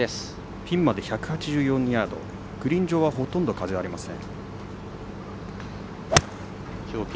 ピンまで１８４ヤードグリーン上はほとんど風はありません。